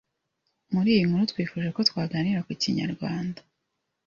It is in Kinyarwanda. Muri iyi nkuru twifuje ko twaganira ku Kinyarwanda